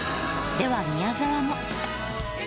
では宮沢も。